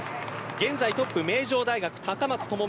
現在トップは名城大学の高松。